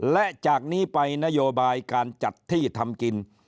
และจากนี้ไปนโยบายการจัดที่ทำกิน